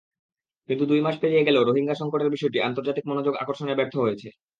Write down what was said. কিন্তু দুই মাস পেরিয়ে গেলেও রোহিঙ্গা-সংকটের বিষয়টি আন্তর্জাতিক মনোযোগ আকর্ষণে ব্যর্থ হয়েছে।